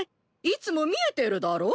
いつも見えてるだろ？